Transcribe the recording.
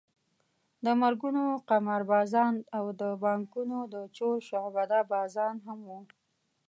د مرګونو قماربازان او د بانکونو د چور شعبده بازان هم وو.